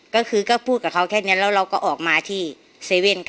ก็คือก็พูดกับเขาแค่เนี้ยแล้วเราก็ออกมาที่เซเว่นกันค่ะ